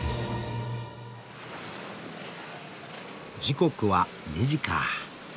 時刻は２時か。